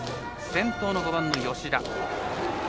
先頭の５番の吉田。